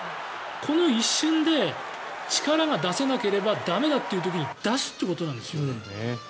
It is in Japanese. この一瞬で力が出せなければ駄目だっていう時に出すっていうことなんですよ。